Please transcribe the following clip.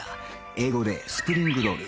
英語でスプリングロール。